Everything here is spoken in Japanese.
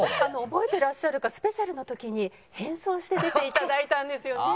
覚えてらっしゃるかスペシャルの時に変装して出て頂いたんですよね。